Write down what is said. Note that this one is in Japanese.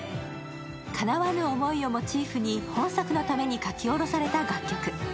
かなわぬ思いをモチーフに本作のために書き下ろされた楽曲。